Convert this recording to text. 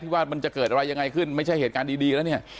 ว่ามันจะเกิดอะไรยังไงขึ้นไม่ใช่เหตุการณ์ดีแล้วเนี่ย